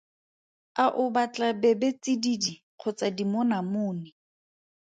A o batla bebetsididi kgotsa dimonamone?